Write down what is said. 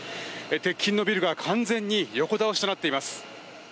鉄筋のビルが完全に横倒しとなっています。